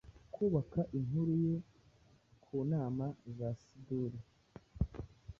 kubakainkuru ye ku nama za Siduri